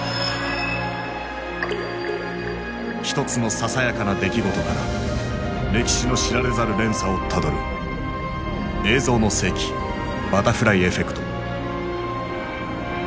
一つのささやかな出来事から歴史の知られざる連鎖をたどる「映像の世紀バタフライエフェクト」。